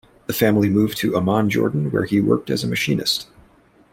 The family moved to Amman, Jordan, where he worked as a machinist.